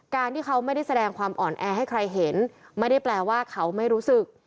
การที่เขาไม่ได้แสดงความอ่อนแอให้ใครเห็นไม่ได้แปลว่าเขาไม่รู้สึก